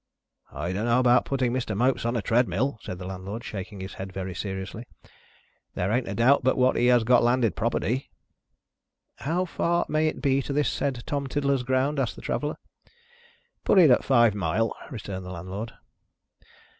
"I don't know about putting Mr. Mopes on the treadmill," said the Landlord, shaking his head very seriously. "There ain't a doubt but what he has got landed property." "How far may it be to this said Tom Tiddler's ground?" asked the Traveller. "Put it at five mile," returned the Landlord.